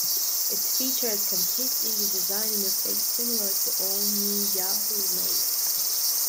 It featured a completely redesigned interface similar to the All-New Yahoo Mail.